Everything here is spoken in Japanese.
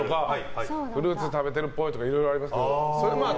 フルーツ食べてるっぽいとかいろいろありますけど。